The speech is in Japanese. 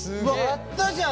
やったじゃん。